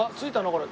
これ。